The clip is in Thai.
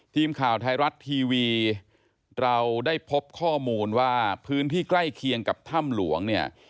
ทีมข่าวไทยรัฐทีวีเราได้พบข้อมูลว่าพื้นที่ใกล้เคียงกับถ้ำหลวงเนี่ย